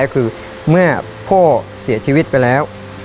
คือเมื่อพ่อเสียชีวิตไปแล้ว